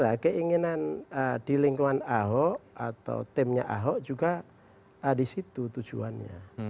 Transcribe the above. nah keinginan di lingkungan ahok atau timnya ahok juga di situ tujuannya